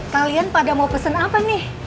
kalian pada mau pesen apa nih